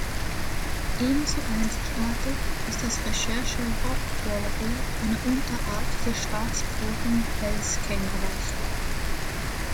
Ebenso einzigartig ist das Recherche-Rockwallaby eine Unterart des Schwarzpfoten-Felskängurus.